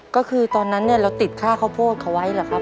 ก็คือตอนนั้นเราติดค่าข้าวโพดเขาไว้หรือครับ